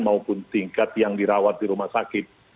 maupun tingkat yang dirawat di rumah sakit